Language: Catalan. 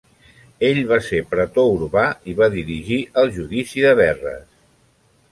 El va ser pretor urbà i va dirigir el judici de Verres.